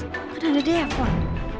mungkin ada dia ya fon